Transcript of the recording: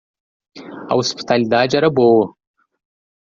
A hospitalidade era boa.